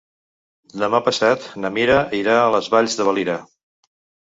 Demà passat na Mira irà a les Valls de Valira.